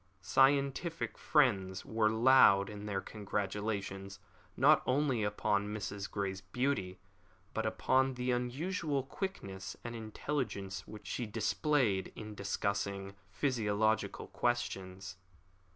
Scientific friends were loud in their congratulations, not only upon Mrs. Grey's beauty, but upon the unusual quickness and intelligence which she displayed in discussing physiological questions.